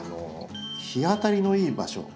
日当たりのいい場所